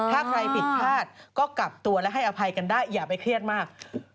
ถ้าใครผิดพลาดก็กลับตัวและให้อภัยกันได้อย่าไปเครียดมาก